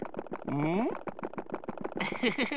うん？